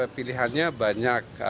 itu pilihannya banyak